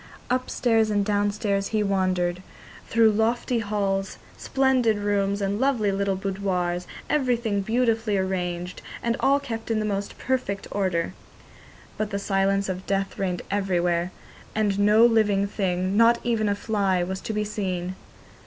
Upstairs and downstairs he wandered, through lofty halls, splendid rooms, and lovely little boudoirs, everything beautifully arranged, and all kept in the most perfect order. But the silence of death reigned everywhere, and no living thing, not even a fly, was to be seen.